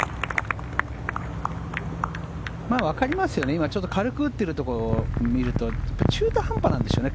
わかりますよね、今軽く打っているところを見ると中途半端なんでしょうね